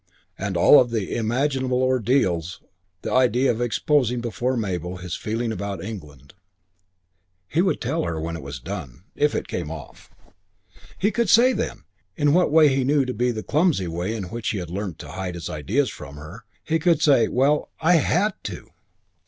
and of all imaginable ordeals the idea of exposing before Mabel his feeling about England ... he would tell her when it was done, if it came off. He could say then, in what he knew to be the clumsy way in which he had learnt to hide his ideas from her, he could say, "Well, I had to."